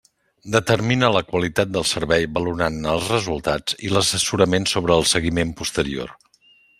Determina la qualitat del servei valorant-ne els resultats i l'assessorament sobre el seguiment posterior.